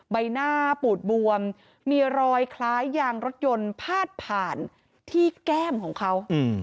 ใบหน้าปูดบวมมีรอยคล้ายยางรถยนต์พาดผ่านที่แก้มของเขา